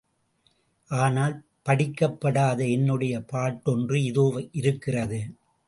ஆனால், படிக்கப்படாத என்னுடைய பாட்டொன்று இதோ இருக்கிறது.